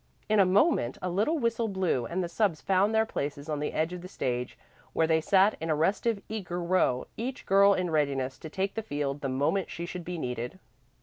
In a moment a little whistle blew and the subs found their places on the edge of the stage, where they sat in a restive, eager row, each girl in readiness to take the field the moment she should be needed.